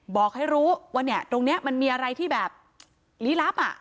บอกให้รู้ว่าเนี่ยตรงนี้มันมีอะไรที่แบบลี้ลับอ่ะ